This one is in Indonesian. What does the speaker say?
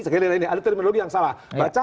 sekali lagi ada terminologi yang salah baca